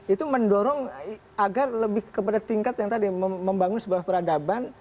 itu mendorong agar lebih kepada tingkat yang tadi membangun sebuah peradaban